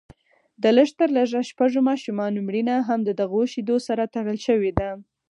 د لږ تر لږه شپږو ماشومانو مړینه هم ددغو شیدو سره تړل شوې ده